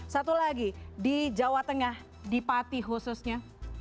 satu lagi di jawa tengah di pati khususnya